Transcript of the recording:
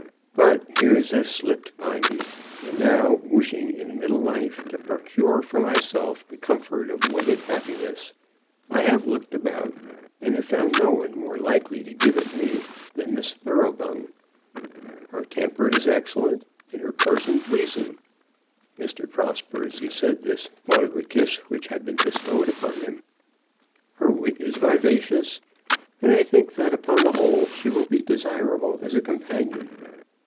But years have slipped by me, and now wishing in middle life to procure for myself the comfort of wedded happiness, I have looked about, and have found no one more likely to give it me, than Miss Thoroughbung. Her temper is excellent, and her person pleasing." Mr. Prosper, as he said this, thought of the kiss which had been bestowed upon him. "Her wit is vivacious, and I think that upon the whole she will be desirable as a companion.